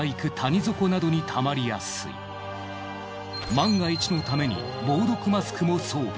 万が一のために防毒マスクも装備。